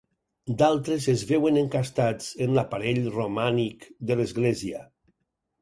D'altres es veuen encastats en l'aparell romànic de l'església.